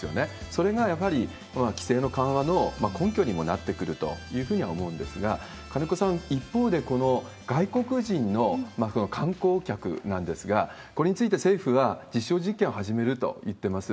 それがやはり規制の緩和の根拠にもなってくるというふうには思うんですが、金子さん、一方で、外国人の観光客なんですが、これについて政府は、実証実験を始めると言っています。